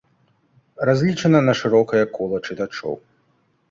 Разлічана на шырокае кола чытачоў.